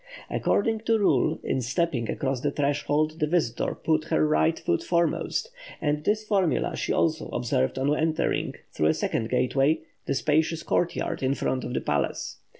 According to rule, in stepping across the threshold the visitor put her right foot foremost; and this formula she also observed on entering, through a second gateway, the spacious courtyard in front of the palace.